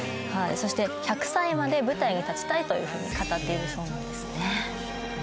そして１００歳まで舞台に立ちたいというふうに語っているそうなんですね。